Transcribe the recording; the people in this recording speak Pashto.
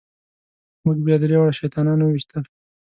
موږ بیا درې واړه شیطانان وويشتل.